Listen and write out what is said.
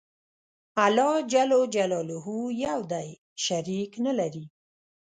الله ج یو دی. شریک نلري.